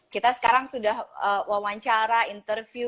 kita sekarang sudah wawancara interview